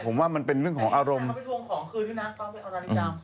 ผมว่ามันเป็นเรื่องของอารมณ์